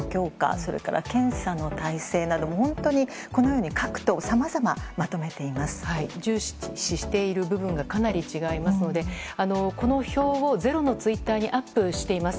それから検査の体制など各党さまざま重視している部分がかなり違いますのでこの表を「ｚｅｒｏ」のツイッターにアップしています。